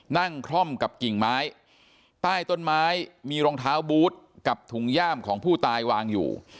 คล่อมกับกิ่งไม้ใต้ต้นไม้มีรองเท้าบูธกับถุงย่ามของผู้ตายวางอยู่